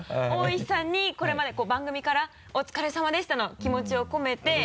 大石さんにこれまで番組からお疲れさまでしたの気持ちを込めて。